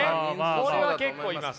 これは結構います。